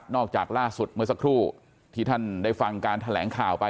จากล่าสุดเมื่อสักครู่ที่ท่านได้ฟังการแถลงข่าวไป